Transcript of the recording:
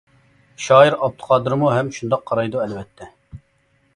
شائىر ئابدۇقادىرمۇ ھەم شۇنداق قارايدۇ، ئەلۋەتتە.